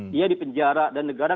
dia di penjara dan negara